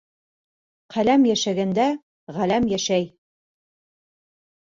Ҡәләм йәшәгәндә ғаләм йәшәй.